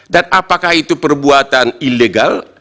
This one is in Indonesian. dan apakah itu perbuatan ilegal